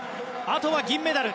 あとは銀メダル。